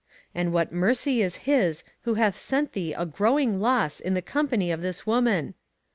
And what mercy is his who hath sent thee a growing loss in the company of this woman?